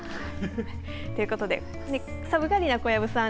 ということで寒がりな小籔さん